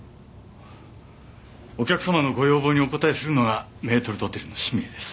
お客様のご要望にお応えするのがメートル・ドテルの使命です。